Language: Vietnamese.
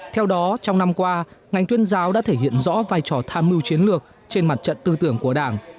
theo đó trong năm qua ngành tuyên giáo đã thể hiện rõ vai trò tham mưu chiến lược trên mặt trận tư tưởng của đảng